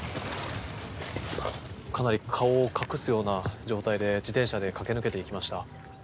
かなり顔を隠すような状態で自転車で駆け抜けていきました。